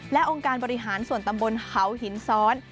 และองค์การบริหารส่วนตำบลเขาหินซ้อน